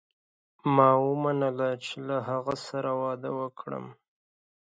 ما ومنله چې له هغه سره واده وکړم.